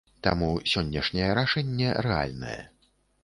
Таму сённяшняе рашэнне рэальнае.